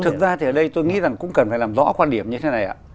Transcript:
thực ra thì ở đây tôi nghĩ rằng cũng cần phải làm rõ quan điểm như thế này ạ